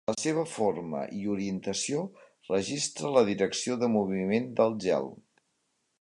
La seva forma i orientació registra la direcció de moviment del gel.